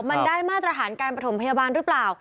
มันได้มาตรฐานการประถมพยาบาลหรือเปล่า